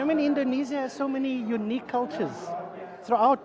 dan saya pikir indonesia memiliki banyak kultur unik